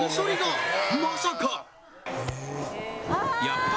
まさか。